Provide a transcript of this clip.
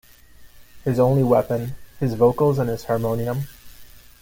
His only weapon: his vocals and his harmonium.